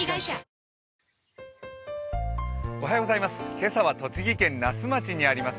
今朝は栃木県那須町にあります